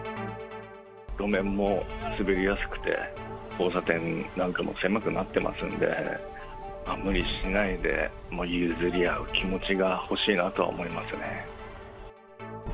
路面も滑りやすくて、交差点なんかも狭くなってますんで、無理しないで、譲り合う気持ちが欲しいなとは思いますね。